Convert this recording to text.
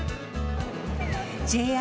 ＪＲ